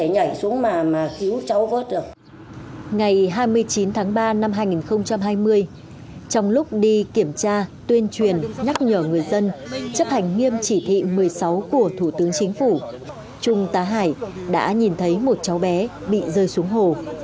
ngày hai mươi chín tháng ba năm hai nghìn hai mươi trong lúc đi kiểm tra tuyên truyền nhắc nhở người dân chấp hành nghiêm chỉ thị một mươi sáu của thủ tướng chính phủ trung tá hải đã nhìn thấy một cháu bé bị rơi xuống hồ